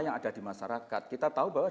yang ada di masyarakat kita tahu bahwa